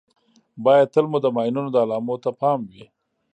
باید تل مو د ماینونو د علامو ته پام وي.